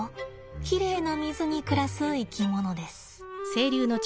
きれいな水に暮らす生き物です。